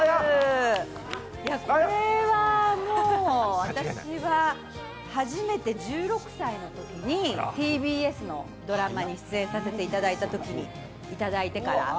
これはもう、私は初めて１６歳のときにＴＢＳのドラマに出演させていただいたときにいただいたときから。